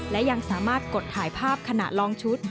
และยังสามารถกดถ่ายภาพขณะลองชุด